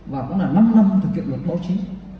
và cũng là năm năm thực hiện luật báo chí